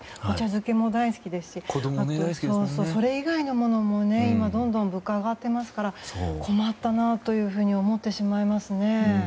お茶漬けも大好きですしそれ以外のものも今、どんどん物価が上がっていますから困ったなというふうに思ってしまいますね。